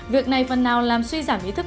việc này phần nào làm suy giảm ý thức